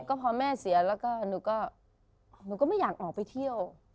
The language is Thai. ก็พอแม่เสียแล้วก็หนูก็หนูก็ไม่อยากออกไปเที่ยว